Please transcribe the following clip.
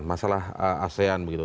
masalah asean begitu